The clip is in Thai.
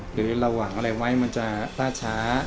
หรือเราหวังอะไรไว้มันจะล่าช้า